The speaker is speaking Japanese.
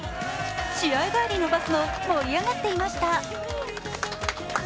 試合帰りのバスも盛り上がっていました。